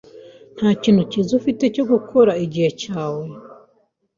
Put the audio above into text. Nta kintu cyiza ufite cyo gukora igihe cyawe?